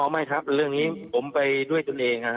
ไม่ครับเรื่องนี้ผมไปด้วยตนเอง